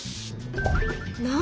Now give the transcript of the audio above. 何？